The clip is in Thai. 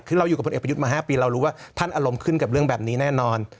คือเราอยู่กับพลเอกประยุทธ์มา๕ปีเรารู้ว่าท่านอารมณ์ขึ้นกับเรื่องแบบนี้แน่นอน